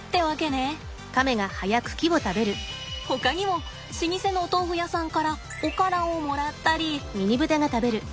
ほかにも老舗のお豆腐屋さんからおからをもらったり。